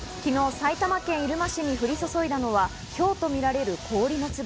昨日、埼玉県入間市に降り注いだのは、ひょうと見られる氷の粒。